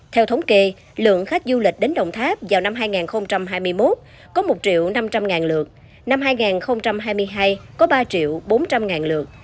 theo thống kê lượng khách du lịch đến đồng tháp vào năm hai nghìn hai mươi một có một triệu năm trăm linh lượt năm hai nghìn hai mươi hai có ba triệu bốn trăm linh lượt